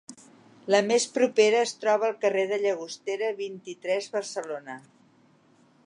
La més propera es troba al Carrer de Llagostera vint-i-tres, Barcelona.